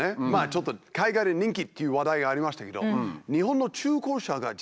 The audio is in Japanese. ちょっと海外で人気っていう話題がありましたけど。